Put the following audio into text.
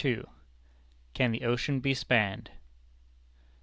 CAN THE OCEAN BE SPANNED?